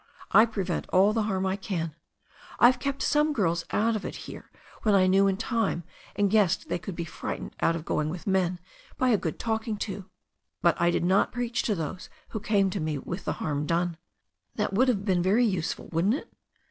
I prevent all the harm I can. I've kept some girls out of it here when I knew in time, and guessed' they could be fright ened out of going with men by a good talking to. But I did not preach to those who came to me with the harm done. That would have been very useful, wouldn't it?"